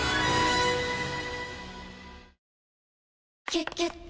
「キュキュット」